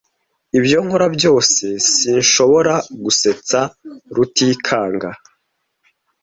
Ibyo nkora byose, sinshobora gusetsa Rutikanga .